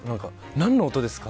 何の音ですか？